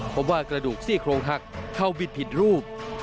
พบว่ากระดูกซี่โครงหักเข้าบิดผิดรูป